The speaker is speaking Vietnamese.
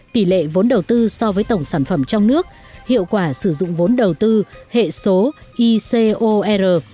tỷ lệ vốn đầu tư so với tổng sản phẩm trong nước hiệu quả sử dụng vốn đầu tư hệ số icor